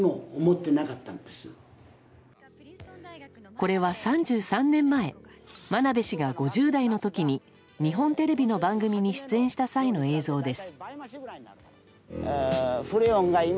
これは３３年前真鍋氏が５０代の時に日本テレビの番組に出演した際の映像です。